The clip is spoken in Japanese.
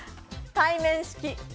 対面式。